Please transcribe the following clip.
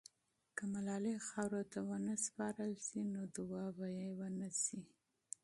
که ملالۍ خاورو ته ونه سپارل سي، نو دعا به یې ونسي.